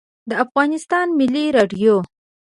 د افغانستان ملی رادیو